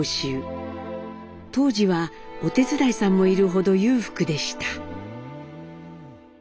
当時はお手伝いさんもいるほど裕福でした。